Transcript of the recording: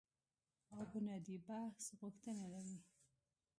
او بنیادي بحث غوښتنه لري